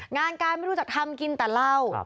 งานการไม่รู้จักทำกินแต่เหล้า